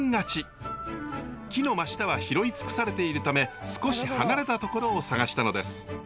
木の真下は拾い尽くされているため少し離れた所を探したのです。